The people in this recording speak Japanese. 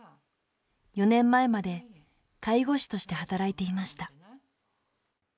４年前まで介護士として働いていました。